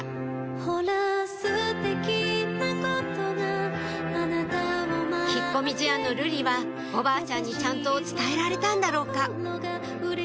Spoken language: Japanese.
ほら素敵なことが「引っ込み思案の瑠璃はおばあちゃんにちゃんと伝えられたんだろうか？」